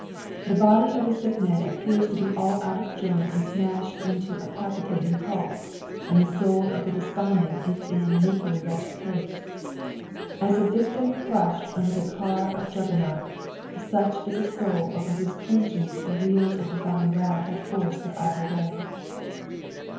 The body of the aick man appears to be all out of joint and smashed into a palpitating pulp, and the soul of the desponding is in an equally wretched caae ; as a victim crushed under the car of Juggernaut, such ia a soul OTer whose conscience the wheels of dirine wrsth have forced their awful way.